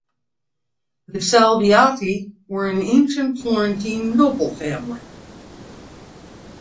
The Salviati were an ancient Florentine noble family.